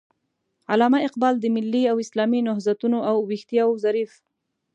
علامه اقبال د ملي او اسلامي نهضتونو او ويښتياو ظريف